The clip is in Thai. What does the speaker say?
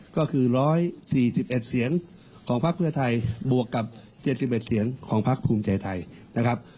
ก็คือ๑๔๑เสียงของพักเพื่อไทยบวกกับ๗๑เสียงของพักภูมิใจไทยนะครับ